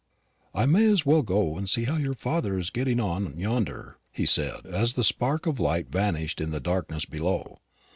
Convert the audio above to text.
"I may as well go and see how your father is getting on yonder," he said, as the spark of light vanished in the darkness below.